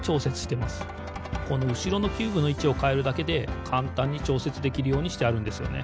このうしろのキューブのいちをかえるだけでかんたんにちょうせつできるようにしてあるんですよね。